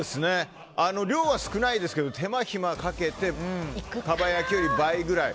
量は少ないですけど手間暇かけてかば焼きより倍ぐらい。